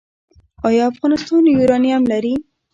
آیا افغانستان یورانیم لري؟